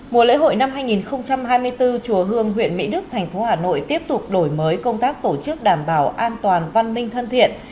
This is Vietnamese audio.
mùa lễ hội năm hai nghìn hai mươi bốn chùa hương huyện mỹ đức tp hcm tiếp tục đổi mới công tác tổ chức đảm bảo an toàn văn minh thân thiện